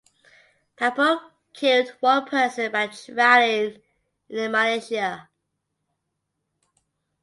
Pabuk killed one person by drowning in Malaysia.